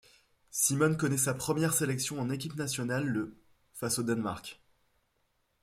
Simone connaît sa première sélection en équipe nationale le face au Danemark.